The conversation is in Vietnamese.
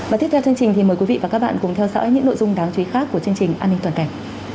và tiếp theo chương trình thì mời quý vị và các bạn cùng theo dõi những nội dung đáng chú ý khác của chương trình an ninh toàn cảnh